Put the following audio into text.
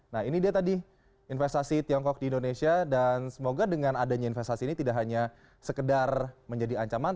nah ini dia tadi investasi tiongkok di indonesia dan semoga dengan adanya investasi ini tidak hanya sekedar menjadi ancaman